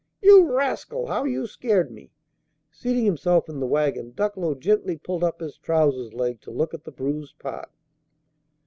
"You rascal! How you scared me!" Seating himself in the wagon, Ducklow gently pulled up his trousers leg to look at the bruised part.